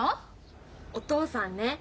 お父さんね